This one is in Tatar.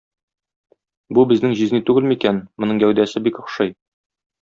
Бу безнең җизни түгелме икән, моның гәүдәсе бик охшый.